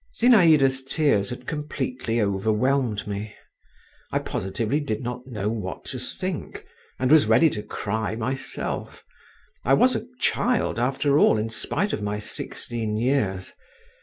Zinaïda's tears had completely overwhelmed me; I positively did not know what to think, and was ready to cry myself; I was a child after all, in spite of my sixteen years.